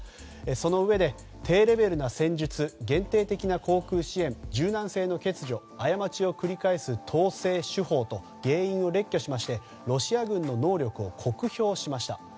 そのうえで低レベルな戦術限定的な航空支援柔軟性の欠如過ちを繰り返す統制手法と原因を列挙しましてロシア軍の能力を酷評しました。